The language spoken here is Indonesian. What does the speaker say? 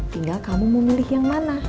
tinggal kamu mau milih yang mana